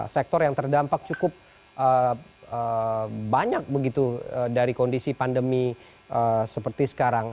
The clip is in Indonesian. sektor yang terdampak cukup banyak begitu dari kondisi pandemi seperti sekarang